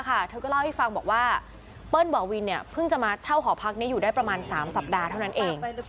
เธอก็เล่าให้ฟังบอกว่าเปิ้ลบ่อวินเพิ่งจะมาเช่าหอพักนี้อยู่ได้ประมาณ๓สัปดาห์เท่านั้นเอง